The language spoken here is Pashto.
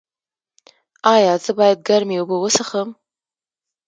ایا زه باید ګرمې اوبه وڅښم؟